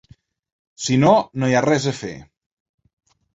Si no, no hi ha res a fer.